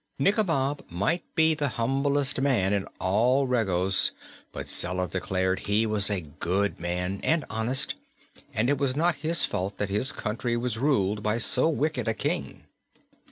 Nikobob might be the humblest man in all Regos, but Zella declared he was a good man, and honest, and it was not his fault that his country was ruled by so wicked a King.